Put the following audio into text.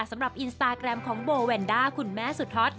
สำหรับอินสตาแกรมของโบแวนด้าคุณแม่สุดฮอต